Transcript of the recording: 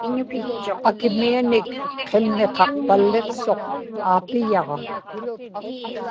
akimianik qimmiqaqpalliqsuq aapiyaġa